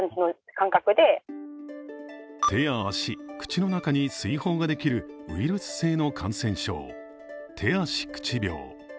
手や足、口の中に水ほうができるウイルス性の感染症、手足口病。